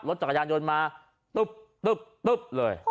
รถจักรยานยนต์มาตุ๊บตุ๊บตุ๊บเลย